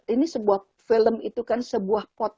ini sebuah film itu kan sebuah pot